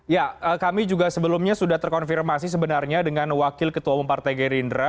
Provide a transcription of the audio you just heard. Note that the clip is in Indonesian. ya kami juga sebelumnya sudah terkonfirmasi sebenarnya dengan wakil ketua umum partai gerindra